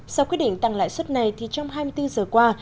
sau quyết định tăng lãi suất này thì trong hai mươi bốn giờ qua